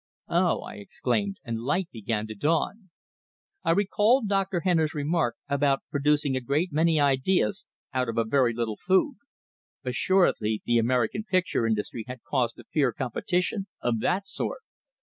"Oh!" I exclaimed, and light began to dawn. I recalled Dr. Henner's remark about producing a great many ideas out of a very little food; assuredly, the American picture industry had cause to fear competition of that sort!